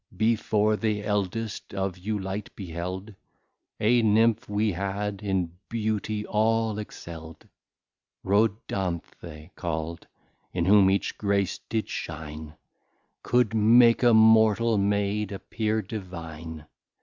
Before the Eldest of you Light beheld, A Nymph we had, in Beauty all excell'd, Rodanthe call'd, in whom each Grace did shine, Could make a Mortal Maid appear Divine.